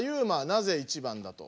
なぜ１番だと？